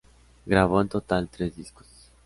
Grabó en total tres discos.